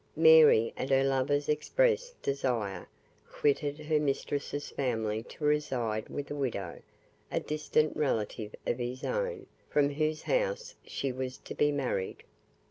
Mary, at her lover's express desire, quitted her mistress's family to reside with a widow, a distant relative of his own, from whose house she was to be married.